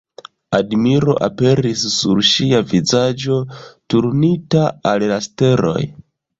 Admiro aperis sur ŝia vizaĝo, turnita al la steloj.